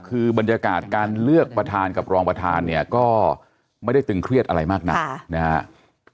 คือบรรยากาศการเลือกประธานกับรองประธานเนี่ยก็ไม่ได้ตึงเครียดอะไรมากนักนะครับ